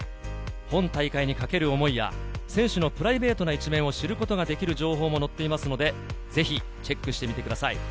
本大会に懸ける思いや、選手のプライベートな一面を知ることができる情報も載っていますので、ぜひチェックしてみてください。